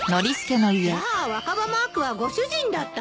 じゃあ若葉マークはご主人だったの？